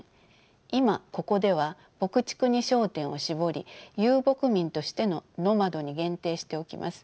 今ここでは牧畜に焦点を絞り遊牧民としてのノマドに限定しておきます。